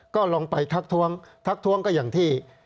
ก็ลองไปทักท้วงทักท้วงก็อย่างที่